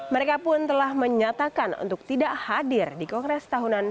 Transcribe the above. mereka pun telah menyatakan untuk tidak hadir di kongres tahunan